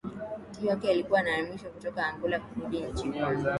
ti wake alipokuwa anahamishwa kutoka angola kurudi nchini congo